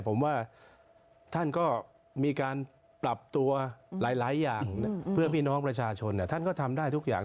ผมว่าท่านก็มีการปรับตัวหลายอย่างเพื่อพี่น้องประชาชนท่านก็ทำได้ทุกอย่าง